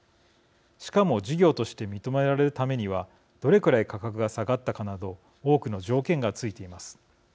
しかも、事業として認められるためにはどれくらい価格が下がったかなど多くの条件がついています。